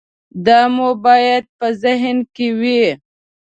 دا مو باید په ذهن کې وي.